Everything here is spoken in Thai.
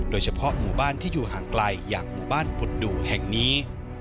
โดยเฉพาะหมู่บ้านที่อยู่ห่างไกลอย่างหมู่บ้านปุดดูแห่งนี้